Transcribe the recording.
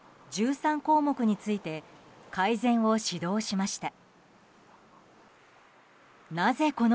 １３項目について改善を指導しました。